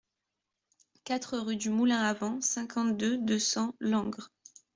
quatre rue du Moulin À Vent, cinquante-deux, deux cents, Langres